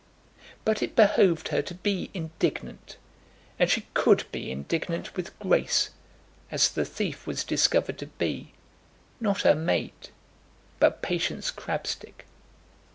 But it behoved her to be indignant; and she could be indignant with grace, as the thief was discovered to be, not her maid, but Patience Crabstick.